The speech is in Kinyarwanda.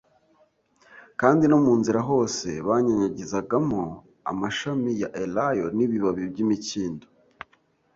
kandi no mu nzira hose banyanyagizamo amashami ya Elayo n'ibibabi by'imikindo